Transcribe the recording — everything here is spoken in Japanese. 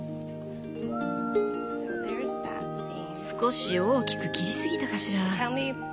少し大きく切り過ぎたかしら。